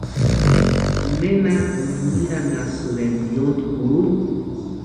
¿Nena niniranhasïrempki yóntki purhu?